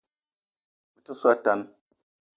Me te so a tan